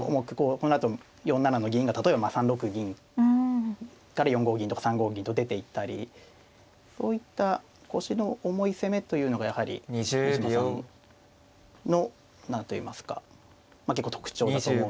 このあと４七の銀が例えば３六銀から４五銀とか３五銀と出ていったりこういった腰の重い攻めというのがやはり飯島さんの何といいますかまあ結構特徴だと思う。